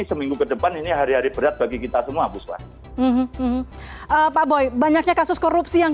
seminggu kedepan ini hari hari berat bagi kita semua busuan apa boy banyaknya kasus korupsi yang